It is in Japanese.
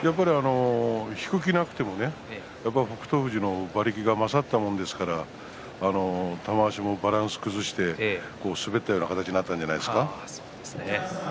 引く気がなくても北勝富士の馬力が勝ったものですから玉鷲もバランスを崩して滑ったような形になったんじゃないですか。